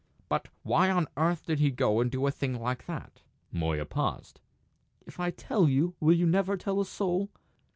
But why on earth did he go and do a thing like that?" Moya paused. "If I tell you will you never tell a soul?"